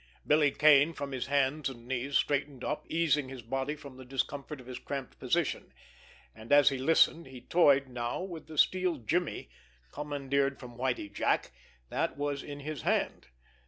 Billy Kane, from his hands and knees, straightened up, easing his body from the discomfort of his cramped position; and, as he listened, he toyed now with the steel jimmy, commandeered from Whitie Jack, that was in his hand.